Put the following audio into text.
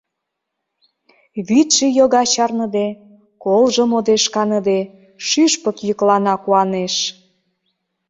Вӱдшӧ йога чарныде, колжо модеш каныде, шӱшпык йӱклана куанеш..